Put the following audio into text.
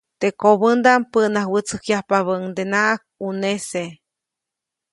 Teʼ kobändaʼm päʼnawätsäjkyajpabäʼuŋdenaʼak ʼunese.